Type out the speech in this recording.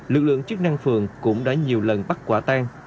lực lượng chức năng phường cũng đã nhiều lần bắt quả tan